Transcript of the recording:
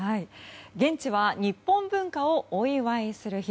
現地は日本文化をお祝いする日。